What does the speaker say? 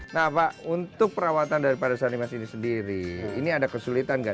nah pak untuk perawatan dari para sanimas ini sendiri ini ada kesulitan gak